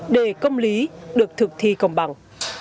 để công lý được thực thi cộng bằng